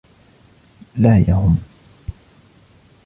لا يهم.